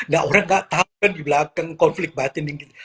gak orang gak tau kan dibelakang konflik batin di indonesia